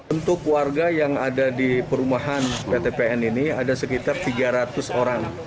untuk warga yang ada di perumahan ptpn ini ada sekitar tiga ratus orang